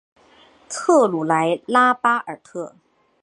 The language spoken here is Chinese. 特鲁莱拉巴尔特。